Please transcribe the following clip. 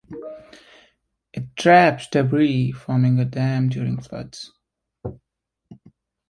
It traps debris, forming a dam during floods.